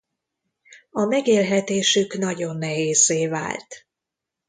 A megélhetésük nagyon nehézzé vált.